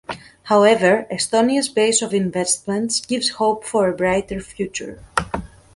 However, Estonia’s base of investments gives hope for a brighter future.